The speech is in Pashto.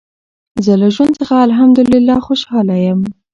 زه له ژوند څخه الحمدلله خوشحاله یم.